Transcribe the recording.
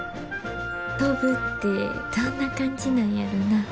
飛ぶってどんな感じなんやろな。